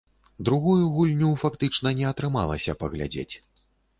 Другую гульню фактычна не атрымалася паглядзець.